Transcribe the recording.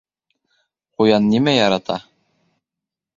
Ҡуян нимә ярата?